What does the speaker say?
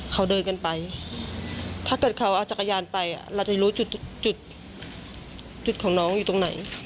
เขาเดินกันไปถ้าเกิดเขาเอาจักรยานไปเราจะรู้จุดจุดของน้องอยู่ตรงไหน